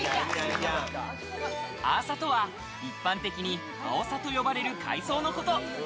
アーサとは一般的にあおさと呼ばれる海藻のこと。